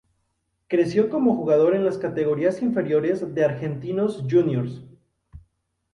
Creció como jugador en las categorías inferiores de Argentinos Juniors.